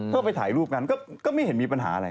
ก็ไปถ่ายรูปกันก็ไม่เห็นมีปัญหาอะไร